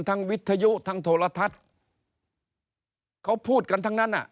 วิทยุทั้งโทรทัศน์เขาพูดกันทั้งนั้นอ่ะ